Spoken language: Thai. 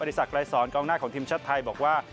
สักรายสอนกองหน้าของทีมชาติไทยบอกว่า